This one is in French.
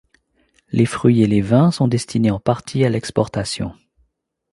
Les fruits et les vins sont destinés en partie à l'exportation.